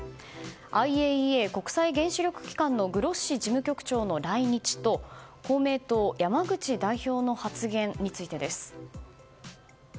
ＩＡＥＡ・国際原子力機関のグロッシ事務局長の来日と公明党山口代表の発言についてです。